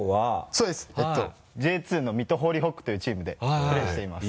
そうですＪ２の水戸ホーリーホックというチームでプレーしています